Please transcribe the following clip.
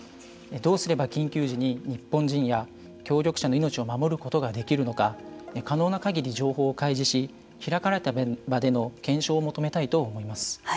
どうすれば緊急時に日本人や協力者の命を守ることができるのか可能なかぎり情報を開示し開かれた場での検証を求めたいと思います。